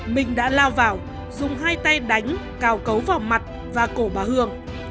minh đã lao vào dùng hai tay đánh cào cấu vào mặt và cổ bà hương